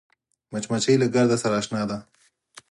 مچمچۍ له ګرده سره اشنا ده